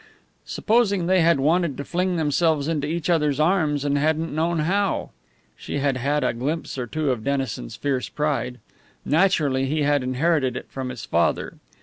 Supposing they had wanted to fling themselves into each other's arms and hadn't known how? She had had a glimpse or two of Dennison's fierce pride. Naturally he had inherited it from his father.